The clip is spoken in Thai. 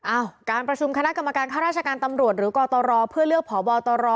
อ้าวการประชุมคณะกรรมการธรรมการตำรวจหรือกบกตรเพื่อเลือกพบตร